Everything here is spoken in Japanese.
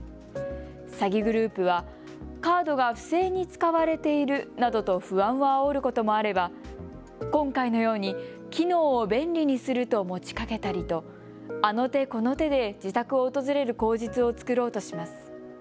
詐欺グループは、カードが不正に使われているなどと不安をあおることもあれば今回のように機能を便利にすると持ちかけたりと、あの手この手で自宅を訪れる口実を作ろうとします。